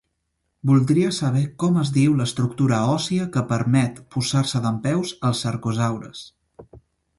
Voldria saber com es diu l'estructura òssia que permet posar-se dempeus als arcosaures.